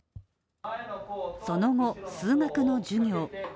その後、数学の授業。